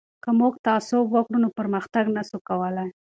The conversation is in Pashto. که موږ تعصب وکړو نو پرمختګ نه سو کولای.